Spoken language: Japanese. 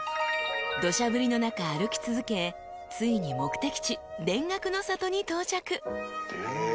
［土砂降りの中歩き続けついに目的地田楽の里に到着］